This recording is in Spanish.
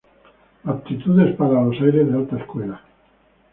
Aptitudes para los aires de alta escuela.